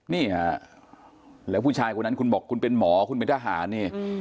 นี่ฮะแล้วผู้ชายคนนั้นคุณบอกคุณเป็นหมอคุณเป็นทหารนี่